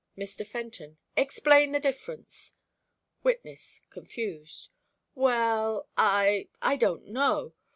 Mr. Fenton: "Explain the difference." Witness, confused: "Well, I I don't know.